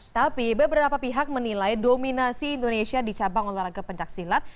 tapi beberapa pihak menilai dominasi indonesia di cabang olahraga pencaksilat